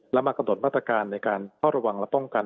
แล้วมากระดดมาตรการในการเพราะรวังและต้องกัน